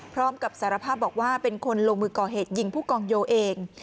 พร้อมกับสารภาพบอกว่าเป็นคนลงมือก่อเหตุยิงผู้กองโยเอง